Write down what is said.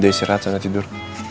desir aja gak tidur